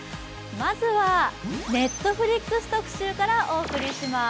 まずはＮｅｔｆｌｉｘ特集からお送りします。